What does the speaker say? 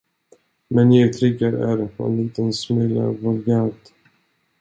Men ni uttrycker er en liten smula vulgärt.